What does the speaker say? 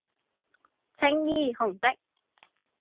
青衣紅的